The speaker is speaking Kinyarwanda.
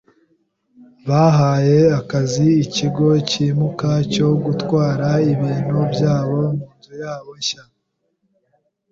Bahaye akazi ikigo cyimuka cyo gutwara ibintu byabo munzu yabo nshya.